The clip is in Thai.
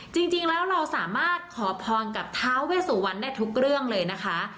จริงแล้วเราสามารถขอพรกับท้าเวสุวรรณได้ทุกเรื่องเลยนะคะ